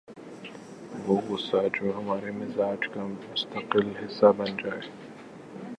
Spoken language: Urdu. وہ غصہ جو ہمارے مزاج کا مستقل حصہ بن جائے